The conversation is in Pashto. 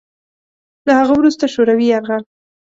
له هغه وروسته شوروي یرغل